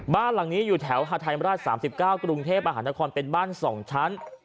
บ้านหลังนี้อยู่แถวฮาไทยมราช๓๙กรุงเทพมหานครเป็นบ้าน๒ชั้น